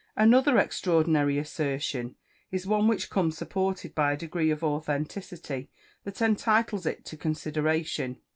Another extraordinary assertion is one which comes supported by a degree of authenticity that entitles it to consideration.